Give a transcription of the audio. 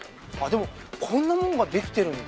でもこんなものができてるんだ。